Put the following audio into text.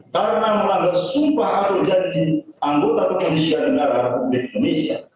karena melanggar sumpah atau janji anggota kepolisian negara republik indonesia